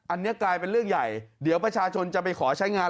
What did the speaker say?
อันนี้กลายเป็นเรื่องใหญ่เดี๋ยวประชาชนจะไปขอใช้งาน